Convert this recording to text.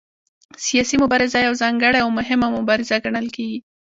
سیاسي مبارزه یوه ځانګړې او مهمه مبارزه ګڼل کېږي